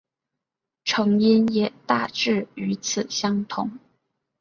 成因也大致与此相同。